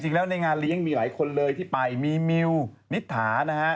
ในงานเลี้ยงมีหลายคนเลยที่ไปมีมิวนิษฐานะฮะ